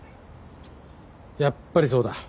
やっぱりそうだ。